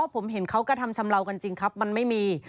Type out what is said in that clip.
ผมเห็นเขากระทำชำเลากันจริงครับมันไม่มี